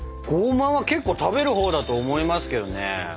ごまは結構食べるほうだと思いますけどね。